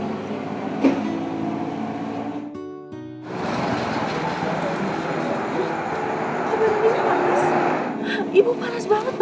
ya karena dia itu memang gak suka sama kita